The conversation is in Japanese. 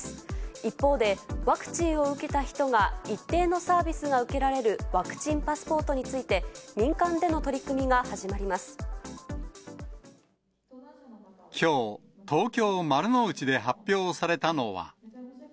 一方で、ワクチンを受けた人が一定のサービスが受けられるワクチンパスポートについて、きょう、東京・丸の内で発表されたのは。